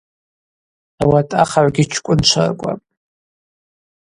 Ауат ахыгӏвгьи чкӏвынчваркӏвапӏ.